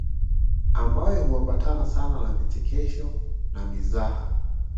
Ambayo huambatana sana na vichekesho na mizaha